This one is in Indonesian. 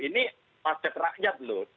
ini pajak rakyat loh